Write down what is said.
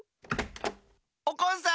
おこんさん！